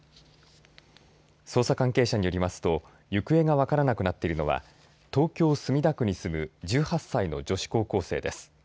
捜査関係者によりますと行方が分からなくなっているのは東京、墨田区に住む１８歳の女子高校生です。